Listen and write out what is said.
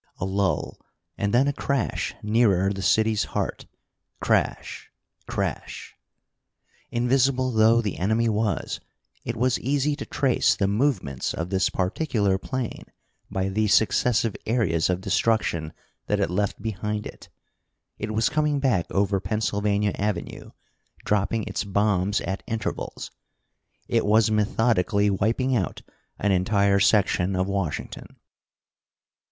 A lull, and then a crash nearer the city's heart. Crash! Crash! Invisible though the enemy was, it was easy to trace the movements of this particular plane by the successive areas of destruction that it left behind it. It was coming back over Pennsylvania Avenue, dropping its bombs at intervals. It was methodically wiping out an entire section of Washington.